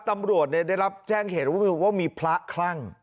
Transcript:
ตำรวจได้รับแจ้งเหตุว่ามีพระคลั่ง